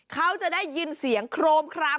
เขาจะได้ยินเสียงโครมคราม